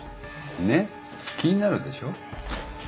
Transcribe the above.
ねっ気になるでしょ。